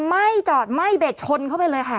ไหม้จอดไหม้เบรกชนเข้าไปเลยค่ะ